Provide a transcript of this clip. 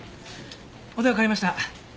お電話代わりました。